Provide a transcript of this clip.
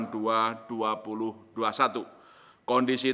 kondisi tersebut akan menyebabkan perubahan ekonomi domestik